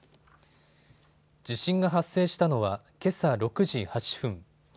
地震が発生したのはけさ６時８分。